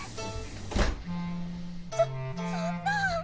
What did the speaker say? そそんな。